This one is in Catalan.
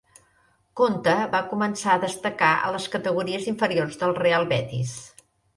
Conte va començar a destacar a les categories inferiors del Real Betis.